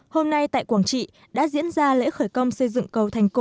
hôm nay tại quảng trị đã diễn ra lễ khởi công xây dựng cầu thành cổ